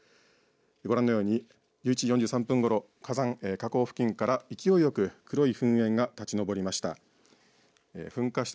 ご覧のように１１時４３分ごろ、火口付近から勢いよく黒い噴煙が立ち上りました。